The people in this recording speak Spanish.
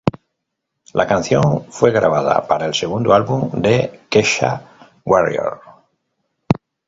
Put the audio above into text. La canción fue grabada para el segundo álbum de Kesha, "Warrior".